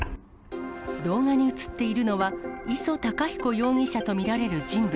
動画に写っているのは、礒隆彦容疑者と見られる人物。